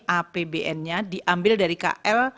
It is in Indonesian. apbn nya diambil dari kl